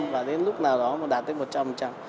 bảy mươi và đến lúc nào đó mà đạt tới một trăm linh